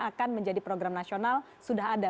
akan menjadi program nasional sudah ada